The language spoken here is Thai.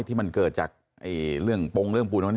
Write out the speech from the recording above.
ที่มันเกิดจากเรื่องโปรงเรื่องปุ่นน้อย